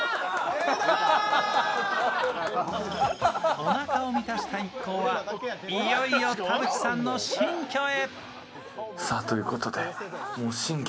おなかを満たした一行はいよいよ田渕さんの新居へ。